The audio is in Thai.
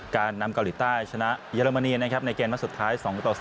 การนำเกาหลีใต้ชนะเยอรมณีในเกณฑ์มาสุดท้าย๒๐